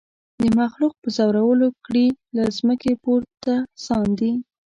د مخلوق په زورولو کړي له مځکي پورته ساندي